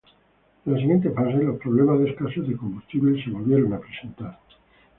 En la siguiente fase, los problemas de escasez de combustible se volvieron a presentar.